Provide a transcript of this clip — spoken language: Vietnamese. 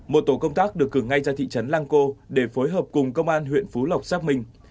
một tổ công tác được cử ngay ra thị trấn lang co để phối hợp cùng công an huyện phú lộc xác minh